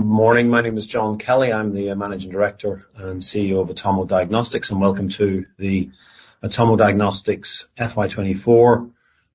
Good morning. My name is John Kelly. I'm the Managing Director and CEO of Atomo Diagnostics, and welcome to the Atomo Diagnostics FY 2024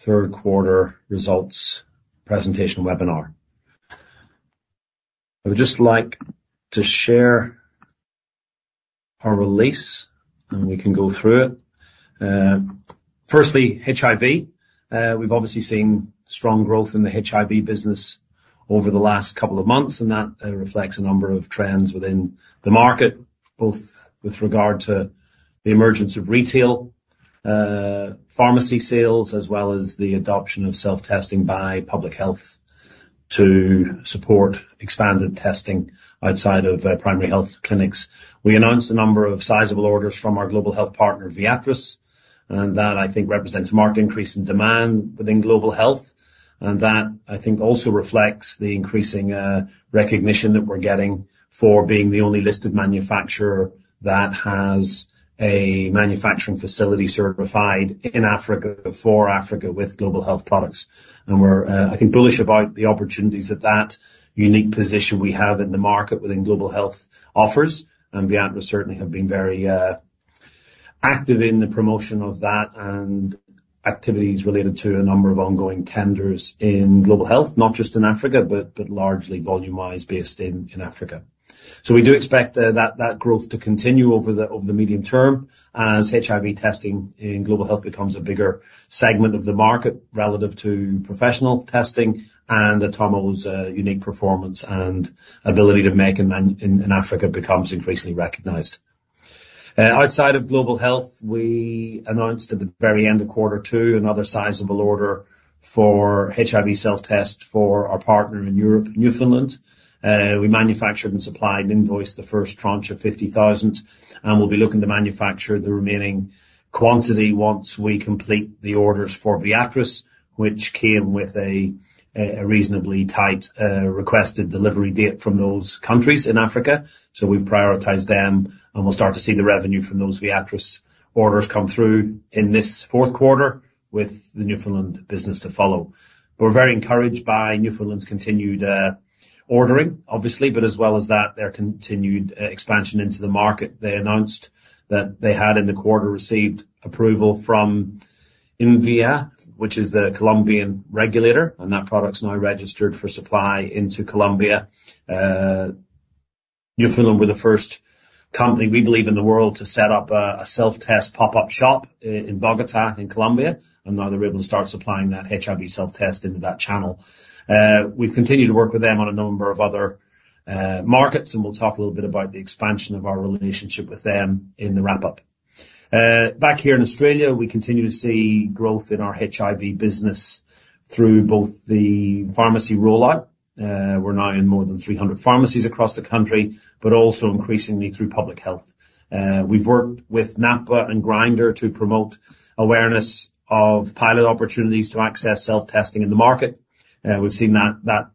Third Quarter Results Presentation Webinar. I would just like to share our release, and we can go through it. Firstly, HIV. We've obviously seen strong growth in the HIV business over the last couple of months, and that reflects a number of trends within the market, both with regard to the emergence of retail pharmacy sales, as well as the adoption of self-testing by public health to support expanded testing outside of primary health clinics. We announced a number of sizable orders from our global health partner, Viatris, and that, I think, represents a marked increase in demand within global health. And that, I think, also reflects the increasing recognition that we're getting for being the only listed manufacturer that has a manufacturing facility certified in Africa, for Africa, with global health products. And we're, I think, bullish about the opportunities that that unique position we have in the market within global health offers. And Viatris certainly have been very active in the promotion of that and activities related to a number of ongoing tenders in global health, not just in Africa, but largely volume-wise based in Africa. So we do expect that growth to continue over the medium term, as HIV testing in global health becomes a bigger segment of the market relative to professional testing and Atomo's unique performance and ability to make in Africa becomes increasingly recognized. Outside of global health, we announced at the very end of quarter two, another sizable order for HIV self-test for our partner in Europe, Newfoundland. We manufactured and supplied and invoiced the first tranche of 50,000, and we'll be looking to manufacture the remaining quantity once we complete the orders for Viatris, which came with a reasonably tight requested delivery date from those countries in Africa. So we've prioritized them, and we'll start to see the revenue from those Viatris orders come through in this fourth quarter with the Newfoundland business to follow. We're very encouraged by Newfoundland's continued ordering, obviously, but as well as that, their continued expansion into the market. They announced that they had, in the quarter, received approval from INVIMA, which is the Colombian regulator, and that product's now registered for supply into Colombia. Newfoundland were the first company, we believe, in the world, to set up a self-test pop-up shop in Bogotá, in Colombia, and now they're able to start supplying that HIV self-test into that channel. We've continued to work with them on a number of other markets, and we'll talk a little bit about the expansion of our relationship with them in the wrap-up. Back here in Australia, we continue to see growth in our HIV business through both the pharmacy rollout, we're now in more than 300 pharmacies across the country, but also increasingly through public health. We've worked with NAPWHA and Grindr to promote awareness of pilot opportunities to access self-testing in the market. We've seen that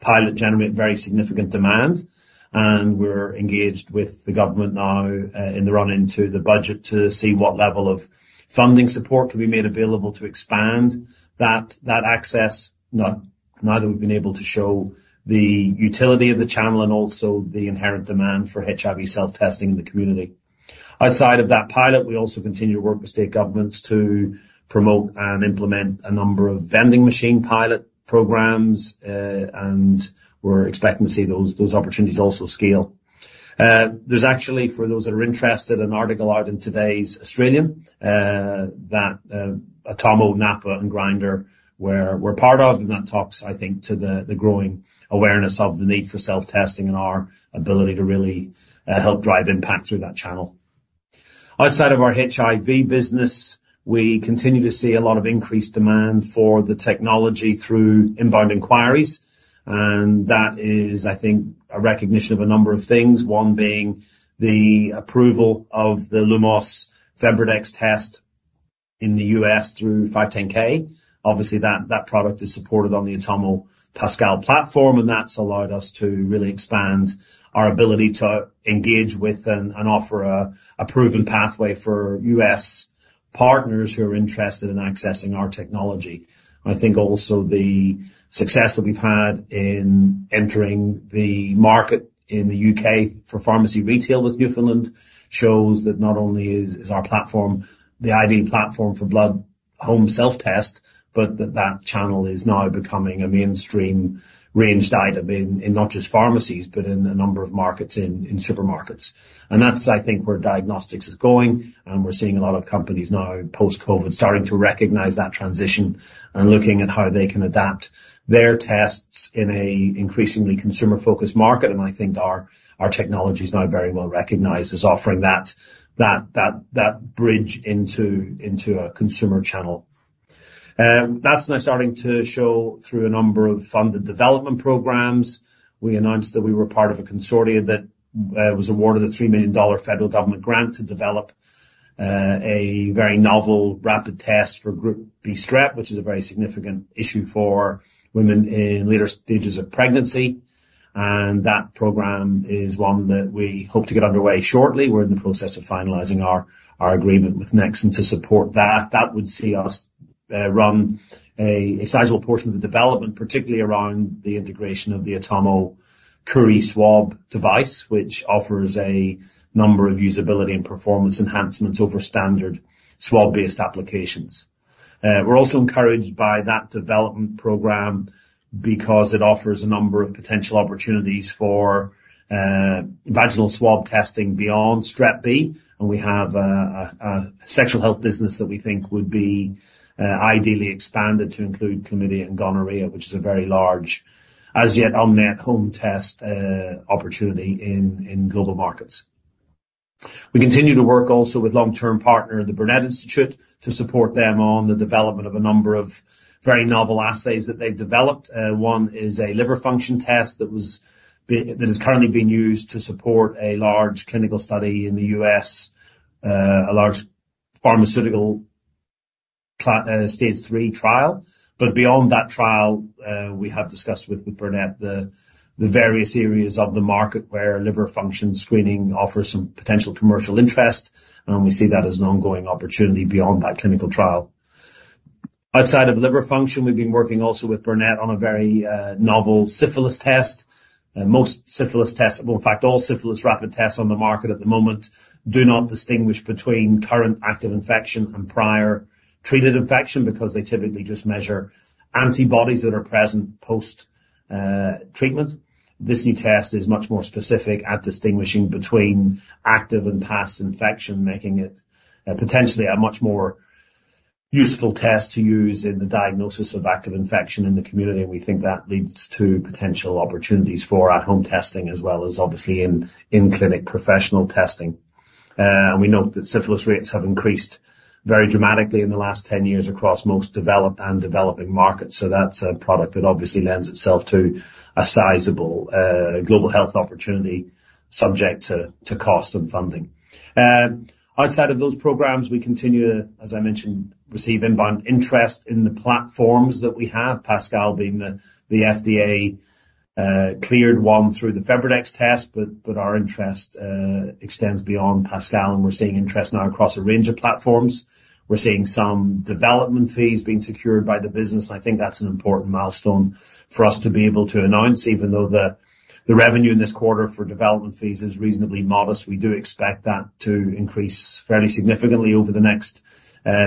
pilot generate very significant demand, and we're engaged with the government now in the run-in to the budget to see what level of funding support can be made available to expand that access, now that we've been able to show the utility of the channel and also the inherent demand for HIV self-testing in the community. Outside of that pilot, we also continue to work with state governments to promote and implement a number of vending machine pilot programs, and we're expecting to see those opportunities also scale. There's actually, for those that are interested, an article out in today's Australian that Atomo, NAPWHA and Grindr were part of, and that talks, I think, to the growing awareness of the need for self-testing and our ability to really help drive impact through that channel. Outside of our HIV business, we continue to see a lot of increased demand for the technology through inbound inquiries, and that is, I think, a recognition of a number of things, one being the approval of the Lumos FebriDx test in the U.S. through 510(k). Obviously, that product is supported on the Atomo Pascal platform, and that's allowed us to really expand our ability to engage with and offer a proven pathway for U.S. partners who are interested in accessing our technology. I think also the success that we've had in entering the market in the U.K. for pharmacy retail with Newfoundland shows that not only is our platform, the ideal platform for blood home self-test, but that that channel is now becoming a mainstream ranged item in not just pharmacies, but in a number of markets in supermarkets. That's, I think, where diagnostics is going, and we're seeing a lot of companies now, post-COVID, starting to recognize that transition and looking at how they can adapt their tests in a increasingly consumer-focused market. I think our technology is now very well recognized as offering that bridge into a consumer channel. That's now starting to show through a number of funded development programs. We announced that we were part of a consortium that was awarded a 3 million dollar federal government grant to develop a very novel rapid test for Group B Strep, which is a very significant issue for women in later stages of pregnancy. And that program is one that we hope to get underway shortly. We're in the process of finalizing our agreement with Nannk to support that. That would see us-... Run a sizable portion of the development, particularly around the integration of the Atomo Curie swab device, which offers a number of usability and performance enhancements over standard swab-based applications. We're also encouraged by that development program because it offers a number of potential opportunities for vaginal swab testing beyond Strep B, and we have a sexual health business that we think would be ideally expanded to include chlamydia and gonorrhea, which is a very large, as yet unmet home test opportunity in global markets. We continue to work also with long-term partner, the Burnet Institute, to support them on the development of a number of very novel assays that they've developed. One is a liver function test that is currently being used to support a large clinical study in the U.S., a large pharmaceutical stage III trial. But beyond that trial, we have discussed with, with Burnet the, the various areas of the market where liver function screening offers some potential commercial interest, and we see that as an ongoing opportunity beyond that clinical trial. Outside of liver function, we've been working also with Burnet on a very, novel syphilis test. Most syphilis tests, well, in fact, all syphilis rapid tests on the market at the moment do not distinguish between current active infection and prior treated infection, because they typically just measure antibodies that are present post, treatment. This new test is much more specific at distinguishing between active and past infection, making it, potentially a much more useful test to use in the diagnosis of active infection in the community, and we think that leads to potential opportunities for at-home testing as well as obviously in clinic professional testing. We note that syphilis rates have increased very dramatically in the last 10 years across most developed and developing markets. So that's a product that obviously lends itself to a sizable, global health opportunity, subject to cost and funding. Outside of those programs, we continue to, as I mentioned, receive inbound interest in the platforms that we have, Pascal being the, the FDA, cleared one through the FebriDx test, but our interest, extends beyond Pascal, and we're seeing interest now across a range of platforms. We're seeing some development fees being secured by the business. I think that's an important milestone for us to be able to announce. Even though the revenue in this quarter for development fees is reasonably modest, we do expect that to increase fairly significantly over the next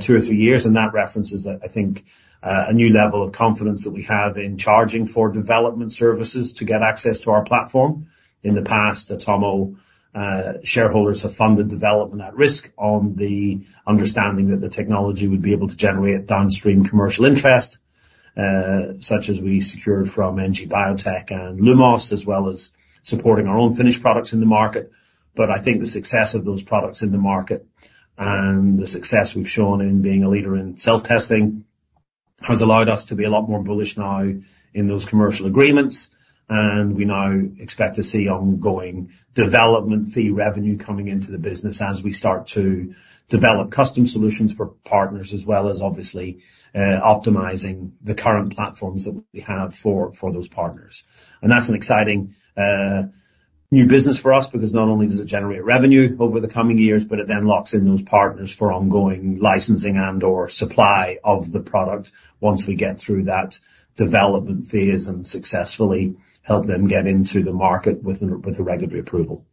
two or three years, and that references, I think, a new level of confidence that we have in charging for development services to get access to our platform. In the past, Atomo shareholders have funded development at risk on the understanding that the technology would be able to generate downstream commercial interest, such as we secured from NG Biotech and Lumos, as well as supporting our own finished products in the market. But I think the success of those products in the market and the success we've shown in being a leader in self-testing, has allowed us to be a lot more bullish now in those commercial agreements. And we now expect to see ongoing development fee revenue coming into the business as we start to develop custom solutions for partners, as well as obviously, optimizing the current platforms that we have for those partners. And that's an exciting, new business for us, because not only does it generate revenue over the coming years, but it then locks in those partners for ongoing licensing and/or supply of the product once we get through that development phase, and successfully help them get into the market with a regulatory approval.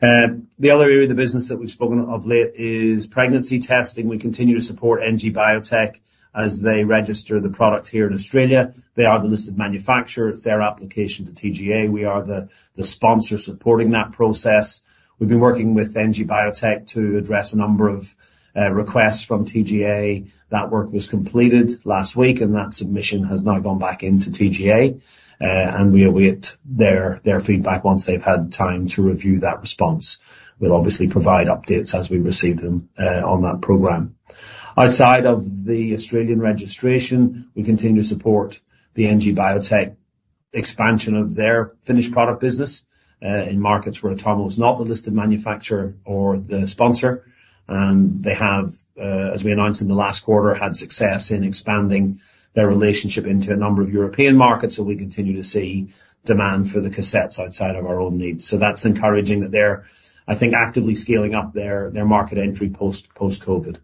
The other area of the business that we've spoken of late is pregnancy testing. We continue to support NG Biotech as they register the product here in Australia. They are the listed manufacturer. It's their application to TGA. We are the sponsor supporting that process. We've been working with NG Biotech to address a number of requests from TGA. That work was completed last week, and that submission has now gone back into TGA. And we await their feedback once they've had time to review that response. We'll obviously provide updates as we receive them on that program. Outside of the Australian registration, we continue to support the NG Biotech expansion of their finished product business in markets where Atomo is not the listed manufacturer or the sponsor. They have, as we announced in the last quarter, had success in expanding their relationship into a number of European markets, so we continue to see demand for the cassettes outside of our own needs. So that's encouraging that they're, I think, actively scaling up their market entry post-COVID. If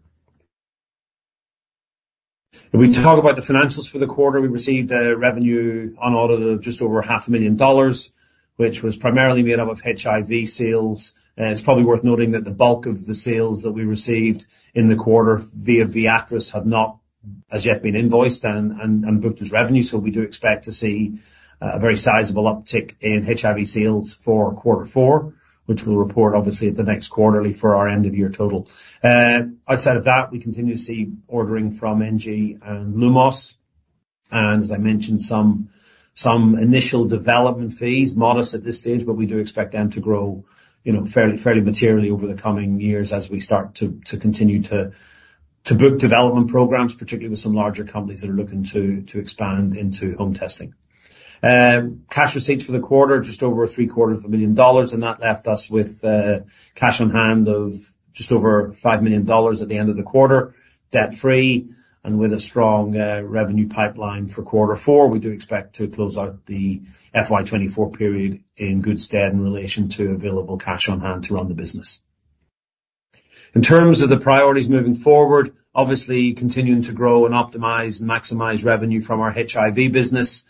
we talk about the financials for the quarter, we received a revenue unaudited of just over 500,000 dollars, which was primarily made up of HIV sales. It's probably worth noting that the bulk of the sales that we received in the quarter via Viatris have not as yet been invoiced and booked as revenue. So we do expect to see a very sizable uptick in HIV sales for quarter four, which we'll report, obviously, at the next quarterly for our end-of-year total. Outside of that, we continue to see ordering from NG and Lumos, and as I mentioned, some initial development fees, modest at this stage, but we do expect them to grow, you know, fairly materially over the coming years as we start to continue to book development programs, particularly with some larger companies that are looking to expand into home testing. Cash receipts for the quarter, just over 750,000 dollars, and that left us with cash on hand of just over 5 million dollars at the end of the quarter, debt-free and with a strong revenue pipeline for quarter four. We do expect to close out the FY 2024 period in good stead in relation to available cash on hand to run the business. In terms of the priorities moving forward, obviously continuing to grow and optimize and maximize revenue from our HIV business,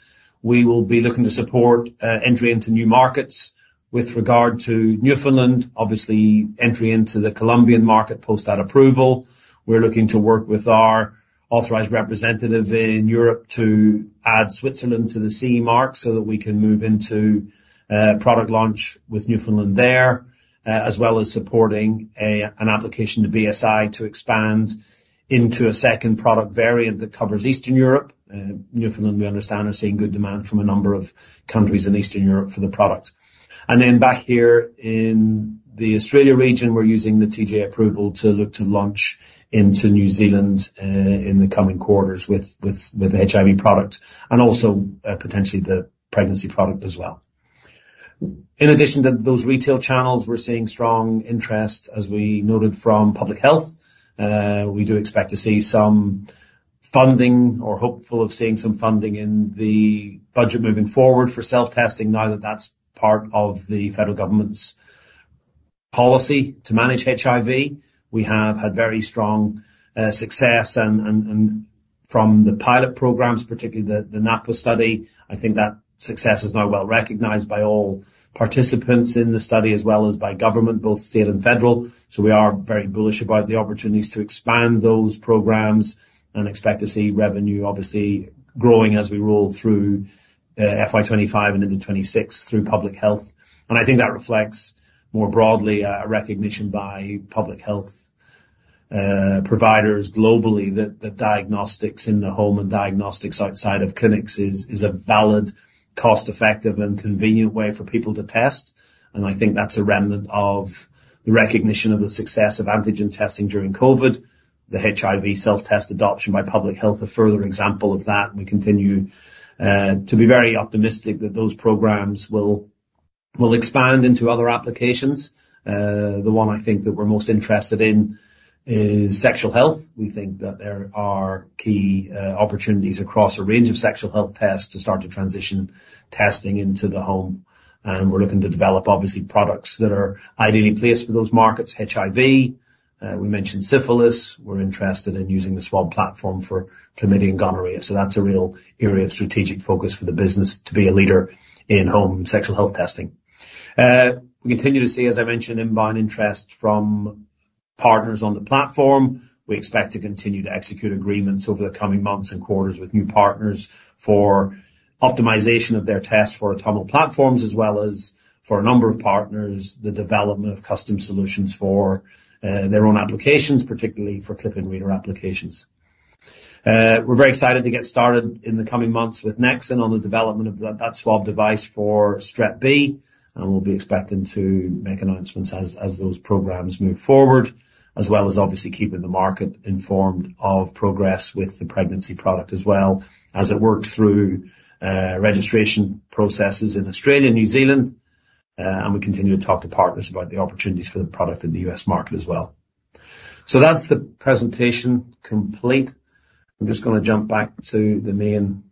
we will be looking to support entry into new markets with regard to Newfoundland, obviously, entry into the Colombian market post that approval. We're looking to work with our authorized representative in Europe to add Switzerland to the CE mark, so that we can move into product launch with Newfoundland there as well as supporting an application to BSI to expand into a second product variant that covers Eastern Europe. Newfoundland, we understand, are seeing good demand from a number of countries in Eastern Europe for the product. Then back here in the Australia region, we're using the TGA approval to look to launch into New Zealand in the coming quarters with the HIV product and also potentially the pregnancy product as well. In addition to those retail channels, we're seeing strong interest, as we noted from public health. We do expect to see some funding or hopeful of seeing some funding in the budget moving forward for self-testing now that that's part of the federal government's policy to manage HIV. We have had very strong success and from the pilot programs, particularly the NAPWHA study, I think that success is now well-recognized by all participants in the study, as well as by government, both state and federal. So we are very bullish about the opportunities to expand those programs and expect to see revenue, obviously, growing as we roll through FY 2025 and into 2026 through public health. And I think that reflects more broadly a recognition by public health providers globally that diagnostics in the home and diagnostics outside of clinics is a valid, cost-effective, and convenient way for people to test. And I think that's a remnant of the recognition of the success of antigen testing during COVID, the HIV self-test adoption by public health, a further example of that. We continue to be very optimistic that those programs will expand into other applications. The one I think that we're most interested in is sexual health. We think that there are key, opportunities across a range of sexual health tests to start to transition testing into the home, and we're looking to develop, obviously, products that are ideally placed for those markets, HIV, we mentioned syphilis. We're interested in using the swab platform for chlamydia and gonorrhea, so that's a real area of strategic focus for the business to be a leader in home sexual health testing. We continue to see, as I mentioned, inbound interest from partners on the platform. We expect to continue to execute agreements over the coming months and quarters with new partners for optimization of their tests for Atomo platforms, as well as for a number of partners, the development of custom solutions for, their own applications, particularly for clip and reader applications. We're very excited to get started in the coming months with Nannk on the development of that swab device for Strep B, and we'll be expecting to make announcements as those programs move forward, as well as obviously keeping the market informed of progress with the pregnancy product as well, as it works through registration processes in Australia and New Zealand, and we continue to talk to partners about the opportunities for the product in the U.S. market as well. So that's the presentation complete. I'm just gonna jump back to the main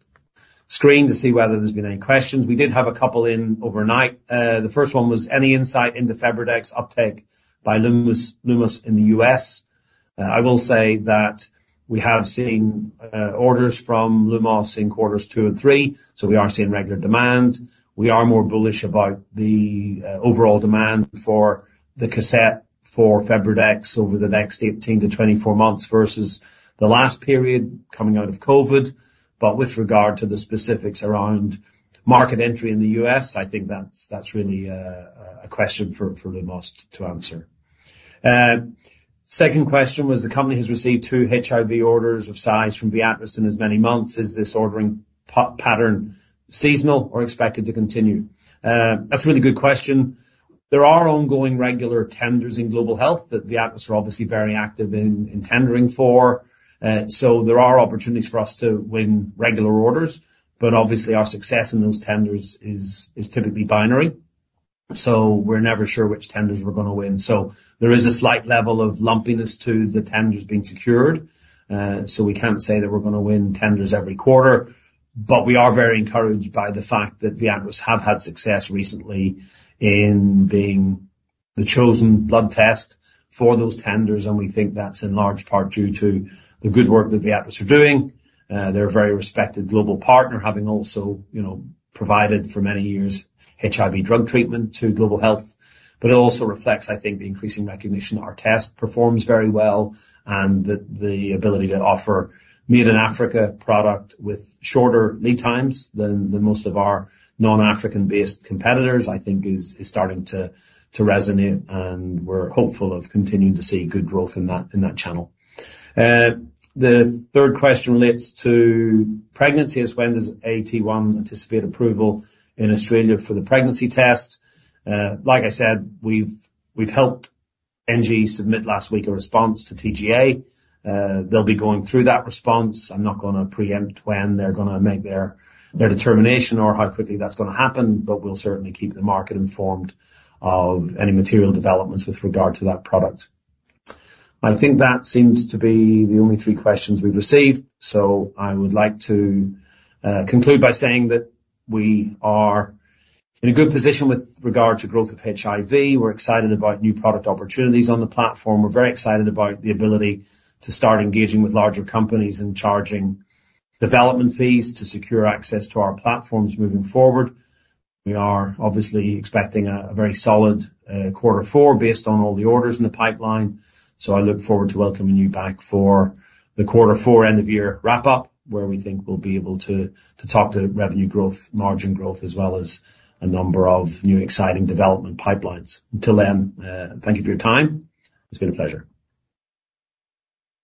screen to see whether there's been any questions. We did have a couple in overnight. The first one was: Any insight into FebriDx uptake by Lumos in the U.S.? I will say that we have seen, orders from Lumos in quarters two and three, so we are seeing regular demand. We are more bullish about the, overall demand for the cassette for FebriDx over the next 18-24 months versus the last period coming out of COVID. But with regard to the specifics around market entry in the U.S., I think that's, that's really, a question for, for Lumos to answer. Second question was: The company has received two HIV orders of size from Viatris in as many months. Is this ordering pattern seasonal or expected to continue? That's a really good question. There are ongoing regular tenders in global health that Viatris are obviously very active in, in tendering for, so there are opportunities for us to win regular orders, but obviously, our success in those tenders is, is typically binary, so we're never sure which tenders we're gonna win. So there is a slight level of lumpiness to the tenders being secured, so we can't say that we're gonna win tenders every quarter. But we are very encouraged by the fact that Viatris have had success recently in being the chosen blood test for those tenders, and we think that's in large part due to the good work that Viatris are doing. They're a very respected global partner, having also, you know, provided for many years, HIV drug treatment to global health. But it also reflects, I think, the increasing recognition our test performs very well and that the ability to offer made-in-Africa product with shorter lead times than most of our non-African based competitors, I think is starting to resonate, and we're hopeful of continuing to see good growth in that channel. The third question relates to pregnancy, as when does AT1 anticipate approval in Australia for the pregnancy test? Like I said, we've helped NG submit last week a response to TGA. They'll be going through that response. I'm not gonna preempt when they're gonna make their determination or how quickly that's gonna happen, but we'll certainly keep the market informed of any material developments with regard to that product. I think that seems to be the only three questions we've received, so I would like to conclude by saying that we are in a good position with regard to growth of HIV. We're excited about new product opportunities on the platform. We're very excited about the ability to start engaging with larger companies and charging development fees to secure access to our platforms moving forward. We are obviously expecting a very solid quarter four based on all the orders in the pipeline. So I look forward to welcoming you back for the quarter four end-of-year wrap-up, where we think we'll be able to talk to revenue growth, margin growth, as well as a number of new exciting development pipelines. Until then, thank you for your time. It's been a pleasure.